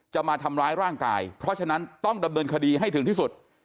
จะมาทำร้ายร่างกายเพราะฉะนั้นต้องดำเนินคดีให้ถึงที่สุด